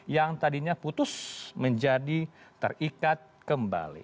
yang tadinya putus menjadi terikat kembali